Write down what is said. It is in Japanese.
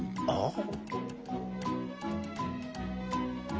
ああ。